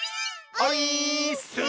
オイーッス！